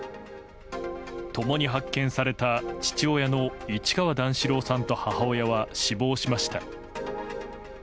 共に発見された父親の市川段四郎さんと母親は死亡しました。